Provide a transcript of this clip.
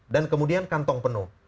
dan kemudian kantong penuh